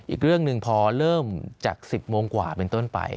อีกเรื่องหนึ่งพอเริ่มจาก๑๐โมงกว่าเป็นต้นไป